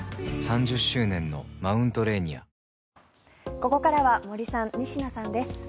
ここからは森さん、仁科さんです。